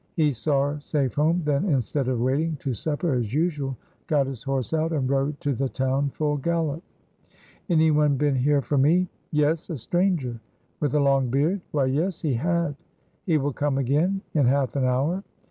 He saw her safe home, then, instead of waiting to supper as usual, got his horse out and rode to the town full gallop. "Any one been here for me?" "Yes! a stranger." "With a long beard?" "Why, yes, he had." "He will come again?" "In half an hour."